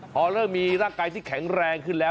พอเริ่มมีร่างกายที่แข็งแรงขึ้นแล้ว